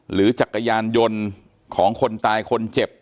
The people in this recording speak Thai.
จักรยานยนต์ของคนตายคนเจ็บ